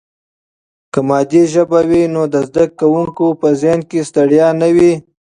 که مادي ژبه وي نو د زده کوونکي په ذهن کې ستړیا نه وي.